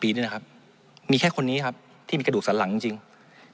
นี่แหละครับมีแค่คนนี้ครับที่มีกระดูกสันหลังจริง